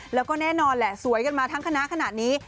แล้วก็แน่นอนแหละสวยกันมาทั้งคณะขนาดนี้